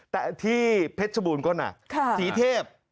แต่ที่เพชรบูรณ์ก็หนักสีเทพ